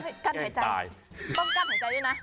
กั้นหายใจต้องกั้นหายใจด้วยนะ